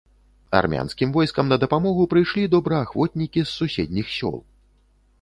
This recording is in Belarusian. Армянскім войскам на дапамогу прыйшлі добраахвотнікі з суседніх сёл.